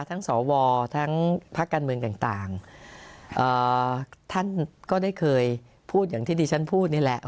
สวทั้งพักการเมืองต่างท่านก็ได้เคยพูดอย่างที่ดิฉันพูดนี่แหละ